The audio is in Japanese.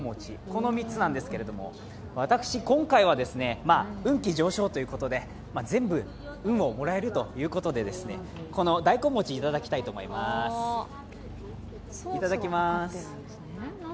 この３つなんですけれども、私、今回は運気上昇ということで全部運をもらえるということでこの大根餅、頂きたいと思います。